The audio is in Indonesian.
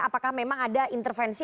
apakah memang ada intervensi